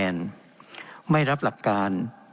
เป็นของสมาชิกสภาพภูมิแทนรัฐรนดร